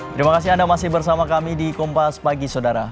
terima kasih anda masih bersama kami di kompas pagi saudara